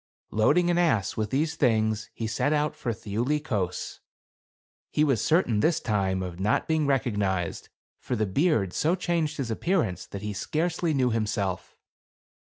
Loading an ass with these things, he set out for Thiuli Kos. He was certain, this time, of not being recognized ; for the beard so changed his appear ance, that he scarcely knew himself.